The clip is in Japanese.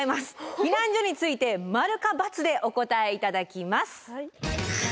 避難所について「○」か「×」でお答え頂きます。